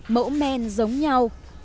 mẫu men giống nhau